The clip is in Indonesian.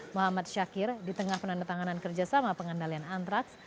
muhammad syakir di tengah penandatanganan kerjasama pengendalian antraks